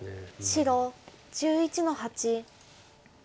白１１の八。